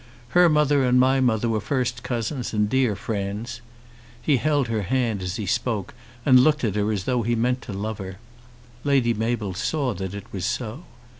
Her mother and my mother were first cousins and dear friends." He held her hand as he spoke and looked at her as though he meant to love her. Lady Mabel saw that it was so.